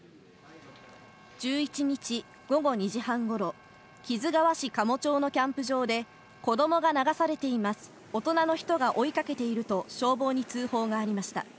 １１日午後２時半ごろ、木津川市加茂町のキャンプ場で、子どもが流されています、大人の人が追いかけていると消防に通報がありました。